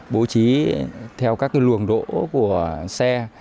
bố trí theo các luồng đỗ của xe